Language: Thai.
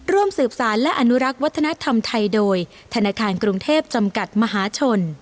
ร่วมสืบสารและอนุรักษ์วัฒนธรรมไทยโดยธนาคารกรุงเทพจำกัดมหาชน